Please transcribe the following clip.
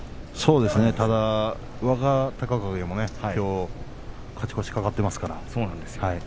ただ若隆景も、きょう勝ち越しが懸かっていますから。